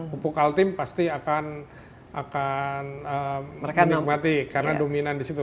pupuk altim pasti akan menikmati karena dominan di situ